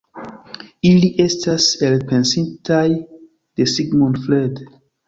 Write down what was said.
Ili estas elpensitaj de Sigmund Freud.